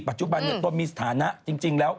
ปัจจุบันตนมีสถานะจริงแล้ว